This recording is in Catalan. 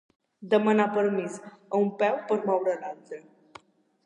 Demanar permís a un peu per moure l'altre.